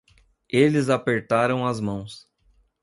Eles apertaram as mãos.